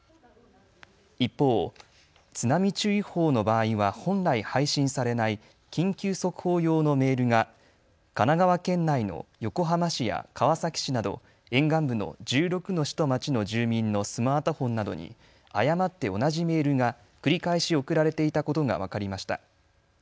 一方、津波注意報の場合は本来配信されない緊急速報用のメールが神奈川県内の横浜市や川崎市など沿岸部の１６の市と町の住民のスマートフォンなどに誤って同じメールが繰り返し送られていたことが分かりました。